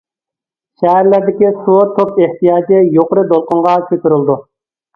شەھەرلەردىكى سۇ، توك ئېھتىياجى يۇقىرى دولقۇنغا كۆتۈرۈلىدۇ.